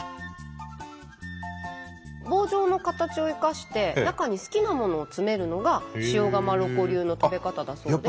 棒状の形を生かして中に好きなものを詰めるのが塩釜ロコ流の食べ方だそうで。